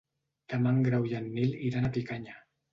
Demà en Grau i en Nil iran a Picanya.